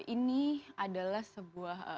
ini adalah sebuah